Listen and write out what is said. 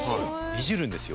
いじるんですよ。